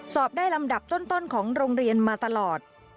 สอบได้ลำดับต้นของโรงเรียนมาตลอด